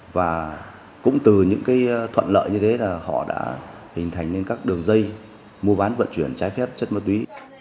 và cũng từ những cái thuận lợi như thế là họ đã hình thành nên các đường dây mua bán vận chuyển trái phép chất ma túy